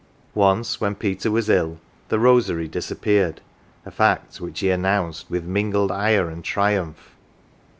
Once when Peter was ill the v* rosary disappeared, a fact which he announced with mingled ire and triumph.